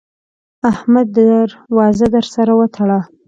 احمده! در وازه در سره وتړه.